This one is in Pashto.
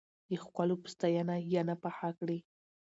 د ښکلو په ستاينه، ينه پخه کړې